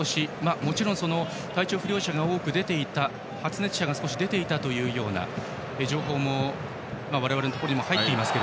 もちろん体調不良者が多く出ていた発熱者が少し出ていたという情報も、我々のところにも入っていますが。